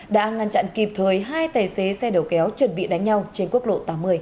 đã ngăn chặn kịp thời hai tài xế xe đầu kéo chuẩn bị đánh nhau trên quốc lộ tám mươi